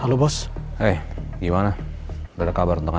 halo bos eh gimana berkabar tentang